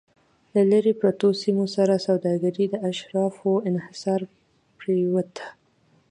له لرې پرتو سیمو سره سوداګري د اشرافو انحصار پرېوته